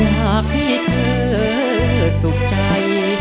อยากให้เธอสุขใจ